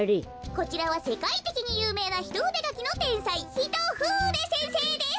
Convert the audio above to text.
こちらはせかいてきにゆうめいなひとふでがきのてんさいヒトフーデせんせいです。